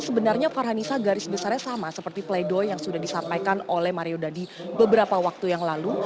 sebenarnya farhanisa garis besarnya sama seperti pleidoy yang sudah disampaikan oleh mario dandi beberapa waktu yang lalu